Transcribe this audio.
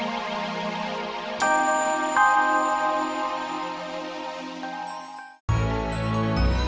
mana rute apa baju